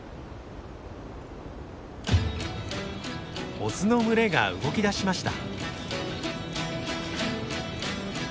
オスの群れが動き出しました。